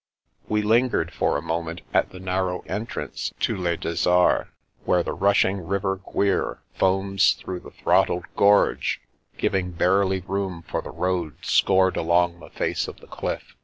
We lingered for a moment at the narrow entrance to Le Desert, where the rushing river Guiers foams through the throttled gorge, giving barely room for the road scored along the face of the cliff.